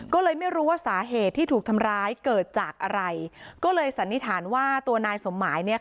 ก็เลยไม่รู้ว่าสาเหตุที่ถูกทำร้ายเกิดจากอะไรก็เลยสันนิษฐานว่าตัวนายสมหมายเนี่ยค่ะ